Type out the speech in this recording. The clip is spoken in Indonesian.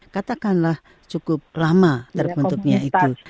katakanlah cukup lama terbentuknya itu